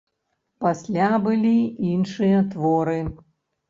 Пасля былі іншыя творы.